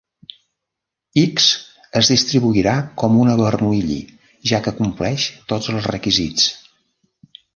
X es distribuirà com una Bernoulli, ja que compleix tots els requisits.